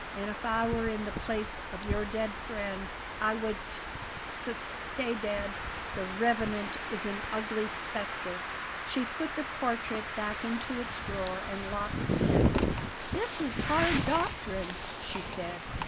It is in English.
And if I were in the place of your dead friend, I would s s stay dead. The REVENANT is an ugly spectre." She put the portrait back into its drawer and locked the desk. "That is hard doctrine," she said.